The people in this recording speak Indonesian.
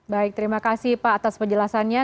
baik terima kasih pak atas penjelasannya